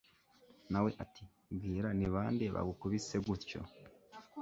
nawe ati mbwira nibande bagukubise gutyo